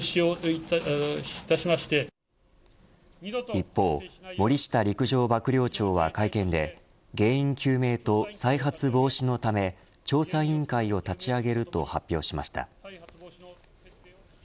一方、森下陸上幕僚長は会見で原因究明と再発防止のため調査委員会を立ち上げると発表しました。